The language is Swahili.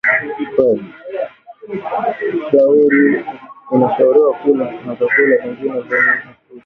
unashauriwa kula na vyakula vingine vyenye mafuta